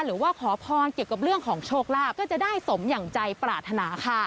หรือว่าขอพรเกี่ยวกับเรื่องของโชคลาภก็จะได้สมอย่างใจปรารถนาค่ะ